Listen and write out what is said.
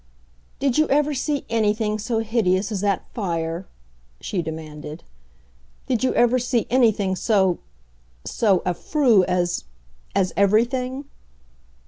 "Did you ever see anything so hideous as that fire?" she demanded. "Did you ever see anything so—so affreux as—as everything?"